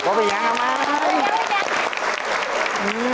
โอ้โฮวันนี้ยังละมั้ง